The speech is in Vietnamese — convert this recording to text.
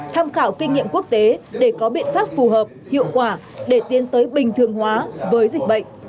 tham khảo kinh nghiệm quốc tế để có biện pháp phù hợp hiệu quả để tiến tới bình thường hóa với dịch bệnh